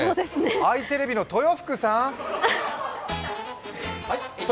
あいテレビの豊福さん。